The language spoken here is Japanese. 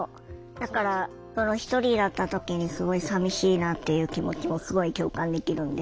だからその一人だった時にすごいさみしいなっていう気持ちもすごい共感できるんで。